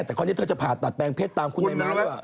แต่ข้อนี้เธอจะผ่าตัดแปลงเพศตามคุณในมือ